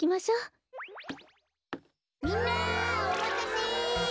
みんなおまたせ！